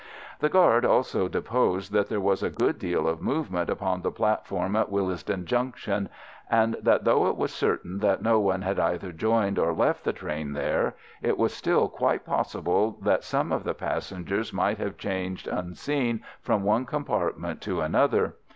The guard also deposed that there was a good deal of movement upon the platform at Willesden Junction, and that though it was certain that no one had either joined or left the train there, it was still quite possible that some of the passengers might have changed unseen from one compartment to another.